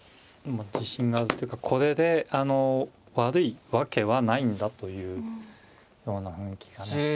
まあ自信があるっていうかこれで悪いわけはないんだというような雰囲気がね。